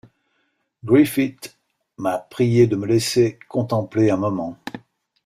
Griffith m’a priée de me laisser contempler un moment.